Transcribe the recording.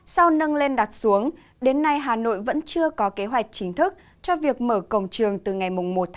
sau nâng lên đặt xuống đến nay hà nội vẫn chưa có kế hoạch chính thức cho việc mở cổng trường từ ngày một một mươi